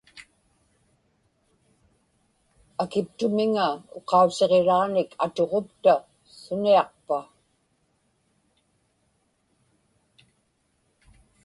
akiptumiŋa uqausiġiraanik atuġupta suniaqpa?